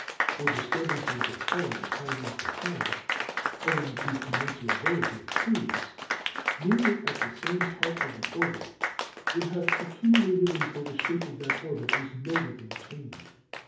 For disturbances recurring time after time owing to commensurability of periods nearly at the same part of the orbit, would have accumulated until the shape of that orbit was notably changed.